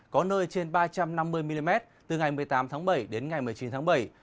có nơi trên ba trăm năm mươi mm từ ngày một mươi tám tháng bảy đến ngày một mươi chín tháng bảy